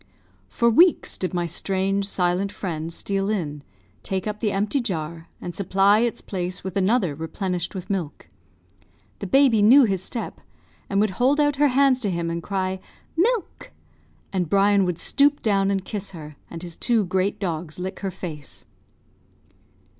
For weeks did my strange, silent friend steal in, take up the empty jar, and supply its place with another replenished with milk. The baby knew his step, and would hold out her hands to him and cry, "Milk!" and Brian would stoop down and kiss her, and his two great dogs lick her face.